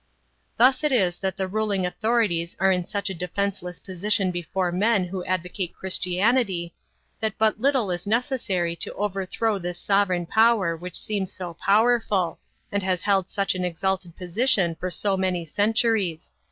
Thus it is that the ruling authorities are in such a defenseless position before men who advocate Christianity, that but little is necessary to overthrow this sovereign power which seems so powerful, and has held such an exalted position for so many centuries.